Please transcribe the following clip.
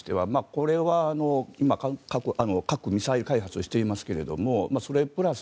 これは、今、核・ミサイル開発をしていますがそれプラス